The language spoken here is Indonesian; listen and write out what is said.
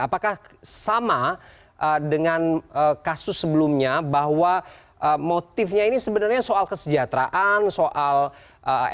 apakah sama dengan kasus sebelumnya bahwa motifnya ini sebenarnya soal kesejahteraan soal ekonomi